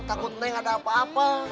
takut tentang ada apa apa